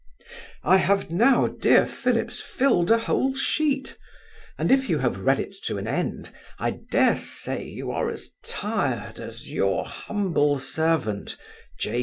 I have now, dear Phillips, filled a whole sheet, and if you have read it to an end, I dare say, you are as tired as Your humble servant, J.